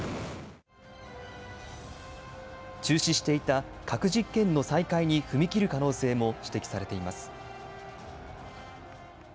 中止していた核実験の再開に踏み切る可能性も指摘されています。